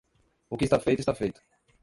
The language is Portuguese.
O que está feito está feito.